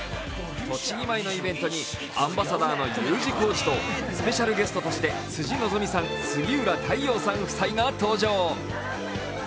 とちぎ米のイベントにアンバサダーのＵ字工事とスペシャルゲストとして辻希美さん、杉浦太陽さん夫妻が登場。